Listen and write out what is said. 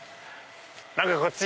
何かこっち！